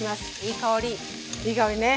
いい香りね。